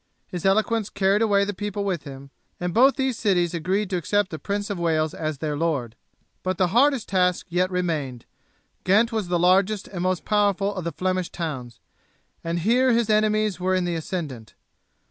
His eloquence carried away the people with him, and both these cities agreed to accept the Prince of Wales as their lord; but the hardest task yet remained. Ghent was the largest and most powerful of the Flemish towns, and here his enemies were in the ascendant.